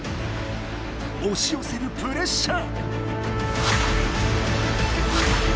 おしよせるプレッシャー。